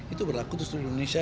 itu berlaku terus di indonesia